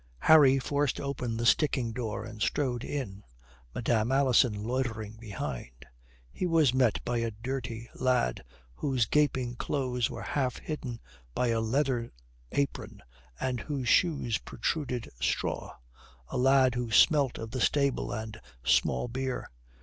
Harry forced open the sticking door and strode in, Madame Alison loitering behind. He was met by a dirty lad whose gaping clothes were half hidden by a leather apron, and whose shoes protruded straw a lad who smelt of the stable and small beer.